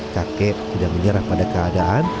kakek tidak menyerah pada keadaan